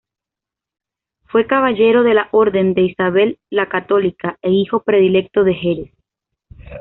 Fue caballero de la Orden de Isabel la Católica e hijo predilecto de Jerez